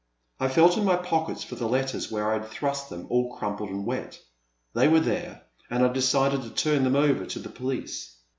I felt in my pockets for the letters where I had thrust them all crumpled and wet. They were there, and I decided to turn them over to the police.